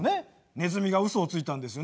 ネズミがうそをついたんですよね？